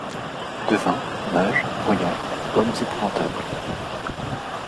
Devins, mages, voyants, hommes épouvantables ;